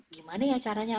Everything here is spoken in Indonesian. gimana ya caranya